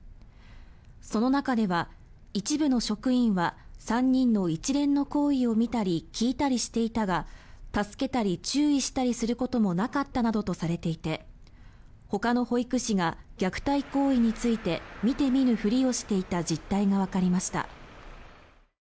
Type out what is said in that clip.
その中では、一部の職員は３人の一連の行為を見たり聞いたりしていたが助けたり、注意したりすることもなかったなどとされていてほかの保育士が虐待行為について見て見ぬふりをしていた実態がわかりました。